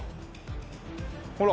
ほら。